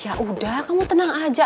ya udah kamu tenang aja